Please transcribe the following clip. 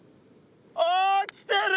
ああ来てる！